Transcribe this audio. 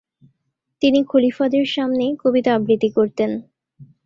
তিনি খলিফাদের সামনে কবিতা আবৃত্তি করতেন।